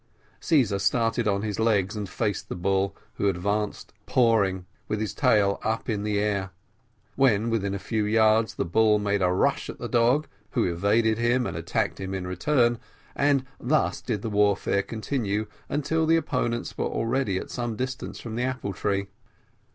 Caesar started on his legs and faced the bull, who advanced pawing, with his tail up in the air. When within a few yards the bull made a rush at the dog, who evaded him and attacked him in return, and thus did the warfare continue until the opponents were already at some distance from the apple tree.